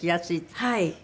はい。